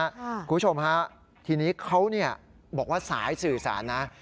คุณผู้ชมฮะทีนี้เขาเนี่ยบอกว่าสายสื่อสารนะ